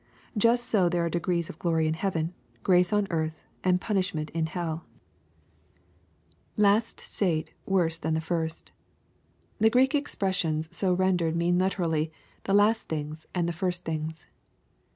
Just so there are degrees of glory in heaven, grace on earth, and punishment in hell 30 EXPOSITOBY THOUGHTS. [Last state.. .worse than the first^ The Greek expressions so rendered mean literally " the last things," and "the first things.